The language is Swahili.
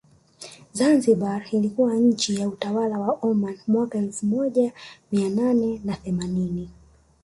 Zanzibar ilikuwa chini ya utawala wa Oman mwaka elfu moja mia nane na themanini